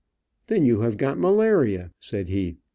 "Then you've got malaria," said he.